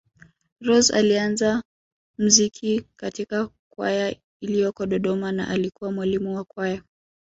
Rose alianza mziki katika kwaya iliyoko Dodoma na alikuwa mwalimu wa Kwaya